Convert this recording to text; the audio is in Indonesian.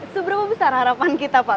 seberapa besar harapan kita pak